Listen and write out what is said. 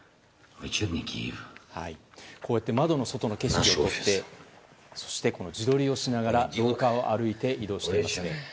こうやって窓の外の景色を撮ってそして、自撮りをしながら廊下を歩いて移動しています。